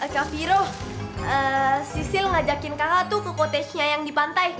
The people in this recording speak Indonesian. kak viro sisil ngajakin kakak tuh ke kotejnya yang di pantai